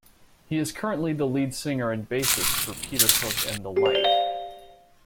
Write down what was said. He is currently the lead singer and bassist for Peter Hook and the Light.